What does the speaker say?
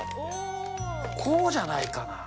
こうじゃないかな。